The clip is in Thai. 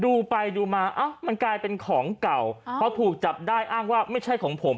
ดูไปดูมามันกลายเป็นของเก่าพอถูกจับได้อ้างว่าไม่ใช่ของผม